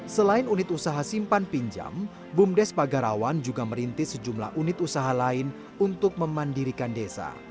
selain unit usaha simpan pinjam bumdes pagarawan juga merintis sejumlah unit usaha lain untuk memandirikan desa